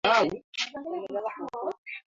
ya mji wa Ankara Mwisho wa wiki iliopita malaki